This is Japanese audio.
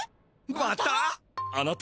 また？